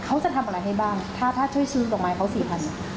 เขาจะทำอะไรให้บ้างถ้าช่วยชื้นดอกไม้เขา๔๐๐๐บาท